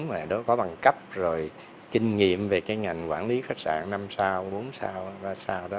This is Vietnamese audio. mà đó có bằng cấp rồi kinh nghiệm về cái ngành quản lý khách sạn năm sao bốn sao ra sao đó